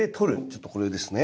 ちょっとこれですね。